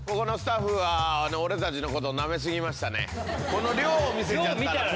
この量を見せちゃったらもう。